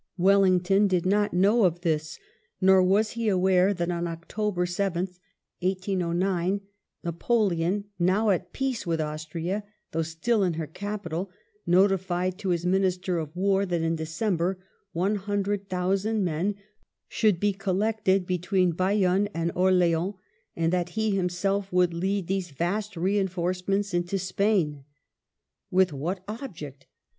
Wellington did not know of this, nor was he aware that on October 7th, 1809, Napoleon, now at peace with Austria, though still in her capital, notified to his Minister of War that in December one hundred thousand men should be col lected between Bayonne and Orleans, and that he himself would lead these vast reinforcements into Spain. With what object?